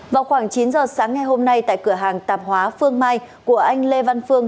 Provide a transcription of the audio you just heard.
vào khoảng chín giờ sáng ngày hôm nay tại cửa hàng tạp hóa phương mai của anh lê văn phương